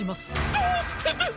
どうしてです！？